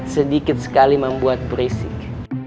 sedikit sekali membuat berisik